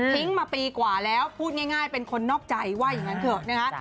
มาปีกว่าแล้วพูดง่ายเป็นคนนอกใจว่าอย่างนั้นเถอะนะคะ